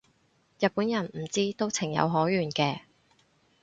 日本人唔知都情有可原嘅